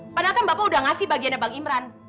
padahal kan mbak ika udah ngasih bagiannya bang imran